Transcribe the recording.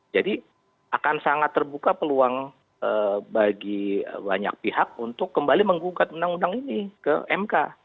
jadi akan sangat terbuka peluang bagi banyak pihak untuk kembali menggugat undang undang ini ke mk